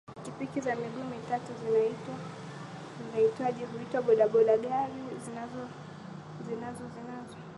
pikipiki za miguu mitatu zinaitwaje huitwa boda boda gari zinazo zinazo